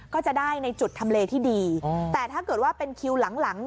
ก็จะได้ในจุดทำเลที่ดีแต่ถ้าเกิดว่าเป็นคิวหลัง